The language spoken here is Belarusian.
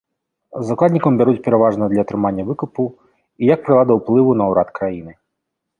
Закладнікаў бяруць пераважна для атрымання выкупу і як прылада ўплыву на ўрад краіны.